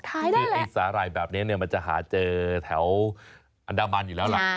ค้ายได้แหละสาหร่ายแบบนี้จะหาเจอแถวอันดามันอยู่แล้ว